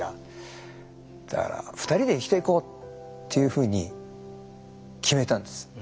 だから２人で生きていこうっていうふうに決めたんです。